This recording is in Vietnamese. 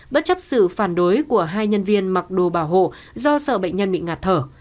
bất chấp sự phản đối của hai nhân viên mặc đồ bảo hộ do sợ bệnh nhân bị ngạt thở